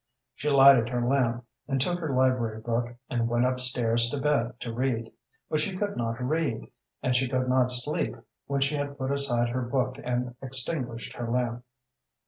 She lighted her lamp, and took her library book and went up stairs to bed to read. But she could not read, and she could not sleep when she had put aside her book and extinguished her lamp.